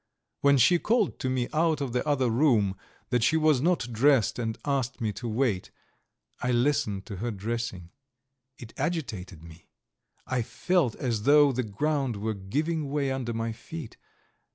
When she called to me out of the other room that she was not dressed and asked me to wait, I listened to her dressing; it agitated me, I felt as though the ground were giving way under my feet.